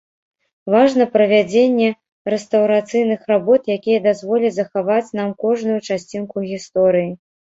Важна правядзенне рэстаўрацыйных работ, якія дазволяць захаваць нам кожную часцінку гісторыі.